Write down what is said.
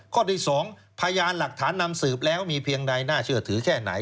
ข้อที่๒พยานหลักฐานนำสืบแล้วมีเพียงใดน่าเชื่อถือแค่ไหน